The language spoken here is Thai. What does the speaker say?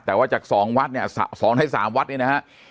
แต่ว่าจากสองวัดเนี่ยสองในสามวัดเนี่ยนะฮะ